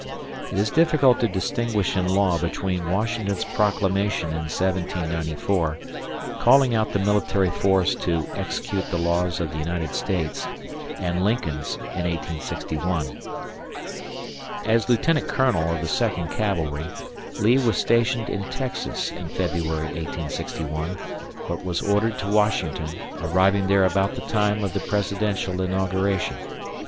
It is difficult to distinguish in law between Washington's proclamation in 1794, calling out the military force to execute the laws of the United States, and Lincoln's in 1861. As Lieutenant Colonel of the Second Cavalry, Lee was stationed in Texas in February, 1861, but was ordered to Washington, arriving thereabout the time of the presidential inauguration.